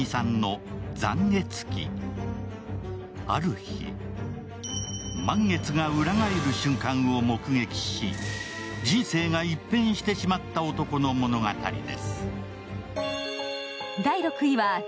ある日、満月が裏返る瞬間を目撃し人生が一変してしまった男の物語です。